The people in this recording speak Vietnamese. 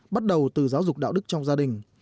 bắt đầu từ giáo dục đạo đức trong gia đình